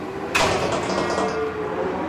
მგელი ძაღლის ნაირია რატომღაც